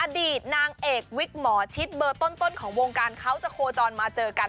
อดีตนางเอกวิกหมอชิดเบอร์ต้นของวงการเขาจะโคจรมาเจอกัน